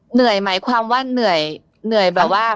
เหนื่อยหมายความว่าเหนื่อยเหนื่อยแบบว่า